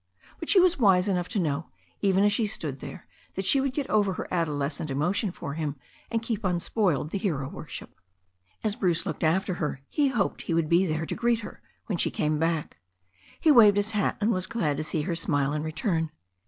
But she was wise enough to know, even as she stood there, that she would get over her adolescent emotion for him, and keep unspoiled the hero worship. As Bruce looked after her, he hoped he would be there to greet her when she came back. He waved his hat, and was glad to see her smile in return.